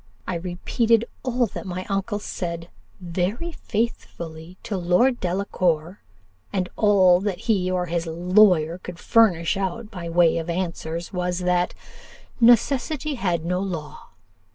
I repeated all that my uncle said, very faithfully, to Lord Delacour; and all that either he or his lawyer could furnish out by way of answer was, that 'Necessity had no law.